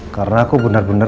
karena aku benar benar